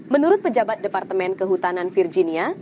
menurut pejabat departemen kehutanan virginia